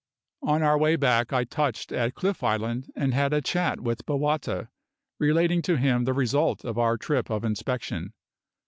On our way back I touched at Cliff Island and had a chat with Bowata, relating to him the result of our trip of inspection.